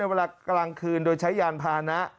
เวลากลางคืนโดยใช้ยานพานะ